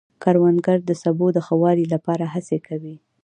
کروندګر د سبو د ښه والي لپاره هڅې کوي